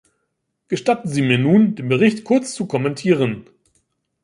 Gestatten Sie mir nun, den Bericht kurz zu kommentieren.